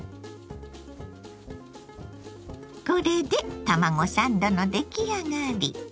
これで卵サンドの出来上がり。